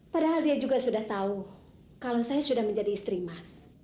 padahal dia juga sudah tahu kalau saya sudah menjadi istri mas